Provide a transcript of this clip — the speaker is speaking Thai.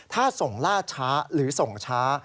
ถ้าส่งล่าช้าหรือส่งช้า